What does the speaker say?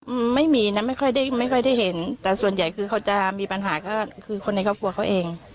อืมไม่มีนะไม่ค่อยได้ไม่ค่อยได้เห็นแต่ส่วนใหญ่คือเขาจะมีปัญหาก็คือคนในครอบครัวเขาเอง